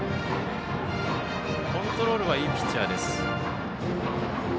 コントロールはいいピッチャーです。